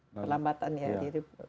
iya kelembatan ya